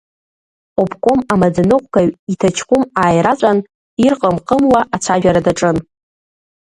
Обком амаӡаныҟәгаҩ иҭаҷкәым ааираҵәан, ирҟым-ҟымуа ацәажәара даҿын…